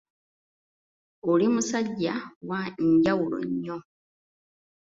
Oli musajja wa njawulo nnyo.